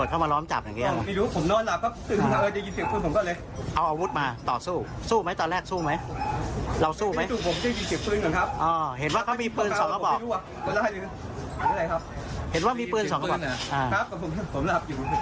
เจ้าของห้องเช่าตรงนี้ค่ะป้าแขกอายุ๖๒นะคะบอกว่า